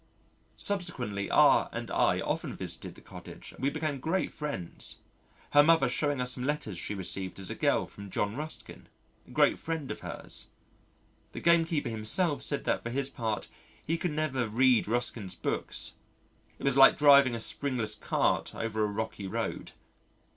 Subsequently R and I often visited the cottage and we became great friends, her mother showing us some letters she received as a girl from John Ruskin a great friend of hers. The gamekeeper himself said that for his part he could never read Ruskin's books it was like driving a springless cart over a rocky road.